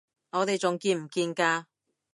我哋仲見唔見㗎？